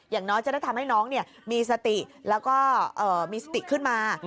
อย่างน้อยจะได้ทำให้น้องมีสติแล้วก็มีสติขึ้นมา